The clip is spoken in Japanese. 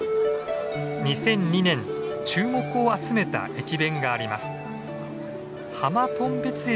２００２年注目を集めた駅弁があります。